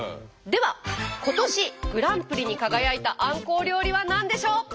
では今年グランプリに輝いたあんこう料理は何でしょう？